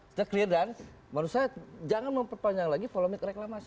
sudah clear dan manusia jangan memperpanjang lagi follow me ke reklamasi